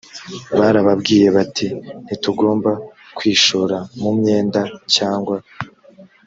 barababwiye bati ntitugomba kwishora mu myenda cyangwa